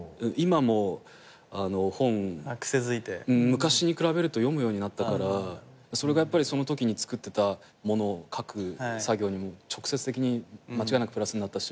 昔に比べると読むようになったからそれがそのときに作ってた物を書く作業にも直接的に間違いなくプラスになったし。